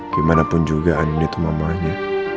gimanapun juga ani itu mamanya